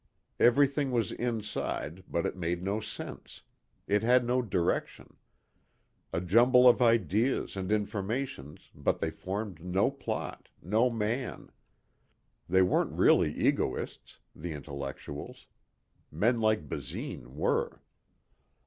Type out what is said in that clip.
Everything was inside but it made no sense. It had no direction. A jumble of ideas and informations but they formed no plot, no man. They weren't really egoists the intellectuals. Men like Basine were.